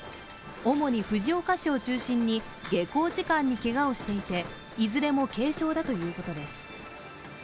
主に藤岡市を中心に下校時間にけがをしていて、いずれも軽傷だということです。